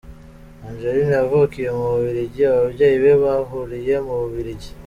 Angeline yavukiye mu Bubiligi, ababyeyi be bahuriye mu Bubiligi.